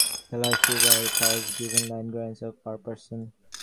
The Loyalists were thus given land grants of per person.